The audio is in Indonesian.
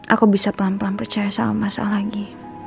aku bisa pelan pelan percaya sama masalah lagi